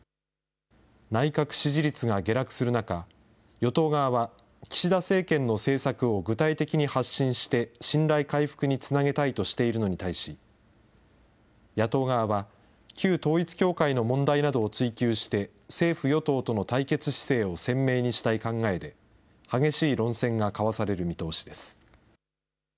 内閣支持率が下落する中、与党側は、岸田政権の政策を具体的に発信して信頼回復につなげたいとしているのに対し、野党側は、旧統一教会の問題などを追及して、政府・与党との対決姿勢を鮮明にしたい考えで、激しい論戦が交わ